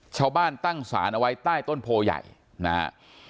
ชาวบ้านตั้งศาลเอาไว้ใต้ต้นโพย่ายนะครับ